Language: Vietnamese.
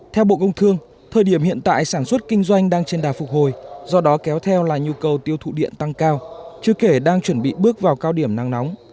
theo bộ công thương thời điểm hiện tại sản xuất kinh doanh đang trên đà phục hồi do đó kéo theo là nhu cầu tiêu thụ điện tăng cao chứ kể đang chuẩn bị bước vào cao điểm nắng nóng